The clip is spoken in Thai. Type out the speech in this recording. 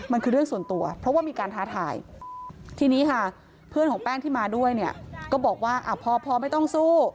มันคือเรื่องส่วนตัวเพราะว่ามีการท้าทายทีนี้ค่ะเพื่อนของแป้งที่มาด้วยเนี่ยก็บอกว่าพอไม่ต้องสู้